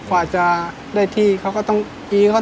ความคิดได้ที่เขาจะหยีบต่อที่แหละ